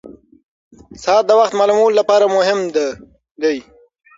ساعت د وخت معلومولو لپاره مهم ده.